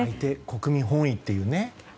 国民本位というね。